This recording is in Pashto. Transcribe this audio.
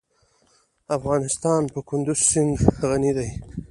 افغانستان په کندز سیند غني دی.